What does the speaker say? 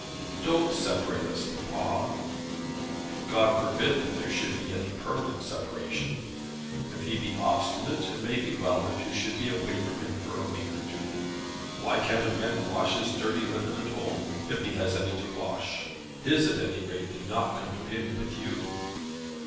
"Don't separate us, papa." "God forbid that there should be any permanent separation. If he be obstinate, it may be well that you should be away from him for a week or two. Why can't a man wash his dirty linen at home, if he has any to wash. His, at any rate, did not come to him with you."